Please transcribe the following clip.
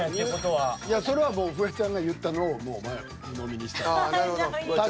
いやそれはフワちゃんが言ったのを鵜呑にしたんよね。